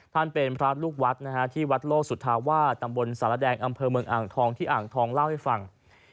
ท่านเป็นพระลูกวัดนะฮะที่วัดโลกสุธาวาสตำบลสารแดงอำเภอเมืองอ่างทองที่อ่างทองเล่าให้ฟัง